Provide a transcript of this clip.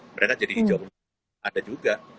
mereka jadi hijau ada juga